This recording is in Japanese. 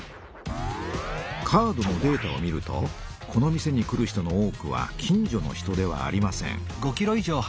カードのデータを見るとこの店に来る人の多くは近所の人ではありません。